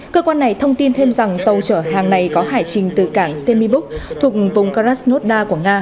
cơ quan này thông tin thêm rằng tàu trở hàng này có hải trình từ cảng temibuk thuộc vùng karasnoda của nga